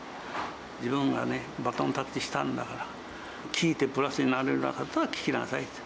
自分がね、バトンタッチしたんだから、聞いてプラスになるようなことは聞きなさいと。